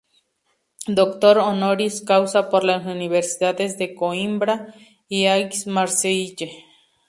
Doctor honoris causa por las universidades de Coímbra y Aix-Marseille.